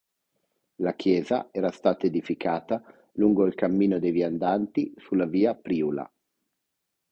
La chiesa era stata edificata lungo il cammino dei viandanti sulla via Priula.